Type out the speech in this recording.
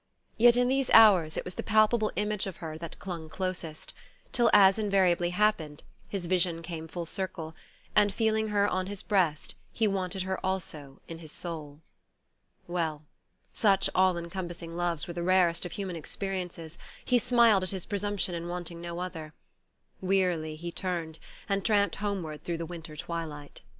Yet in these hours it was the palpable image of her that clung closest, till, as invariably happened, his vision came full circle, and feeling her on his breast he wanted her also in his soul. Well such all encompassing loves were the rarest of human experiences; he smiled at his presumption in wanting no other. Wearily he turned, and tramped homeward through the winter twilight....